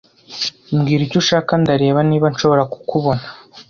Mbwira icyo ushaka ndareba niba nshobora kukubona